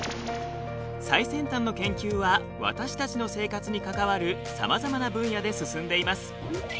最先端の研究は私たちの生活に関わるさまざまな分野で進んでいます。